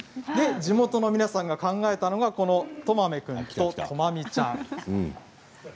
地元の皆さんが考えたのがとまめくんと、とまみちゃん。